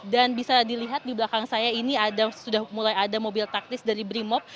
dan bisa dilihat di belakang saya ini ada sudah mulai ada mobil taktis dari brimob